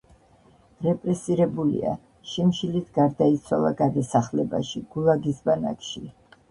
რეპრესირებულია; შიმშილით გარდაიცვალა გადასახლებაში, „გულაგის“ ბანაკში.